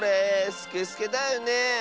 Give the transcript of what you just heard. スケスケだよねえ。